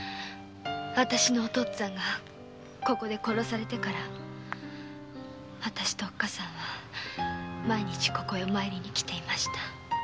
あたしのお父っつぁんがここで殺されてからあたしとおっかさんは毎日ここへお参りにきていました。